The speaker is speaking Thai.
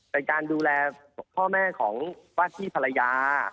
ไปการดูแลพ่อแม่ของบัทธิ์พลายา